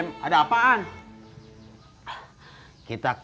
nyata mamaku jelaskan ke bukit tangik